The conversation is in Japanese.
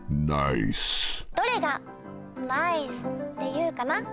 どれが「ｎｉｃｅ」っていうかな？